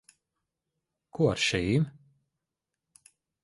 Ko ar šīm?